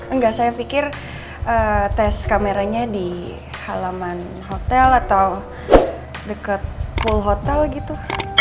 enggak saya pikir tes kameranya di halaman hotel atau dekat full hotel gitu